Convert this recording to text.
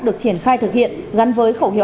được triển khai thực hiện gắn với khẩu hiệu